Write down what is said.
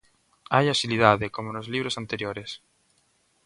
Hai axilidade, como nos libros anteriores.